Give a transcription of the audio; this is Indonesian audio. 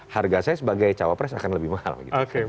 harga saya sebagai cawapres akan lebih menarik